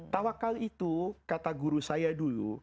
tawakal itu kata guru saya dulu